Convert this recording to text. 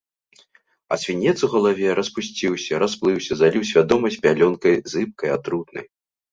А свінец у галаве распусціўся, расплыўся, заліў свядомасць пялёнкай зыбкай, атрутнай.